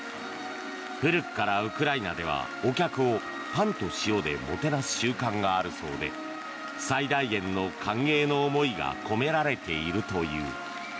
古くからウクライナではお客をパンと塩でもてなす習慣があるそうで最大限の歓迎の思いが込められているという。